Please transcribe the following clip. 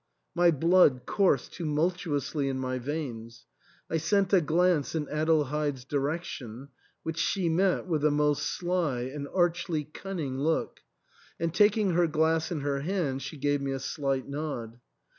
My blood coursed tumult uously in my veins. I sent a glance in Adelheid*s direction, which she met with a most sly and archly cunning look ; and taking her glass in her hand, she gave me a slight nod.